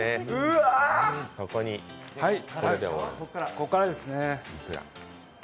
ここからですね。